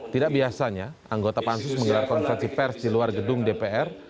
tidak biasanya anggota pansus menggelar konferensi pers di luar gedung dpr